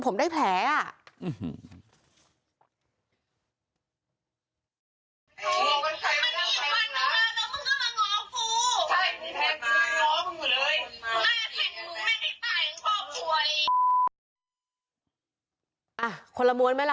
หัวฟาดพื้น